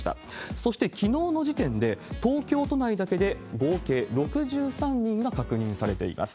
そしてきのうの時点で、東京都内だけで合計６３人が確認されています。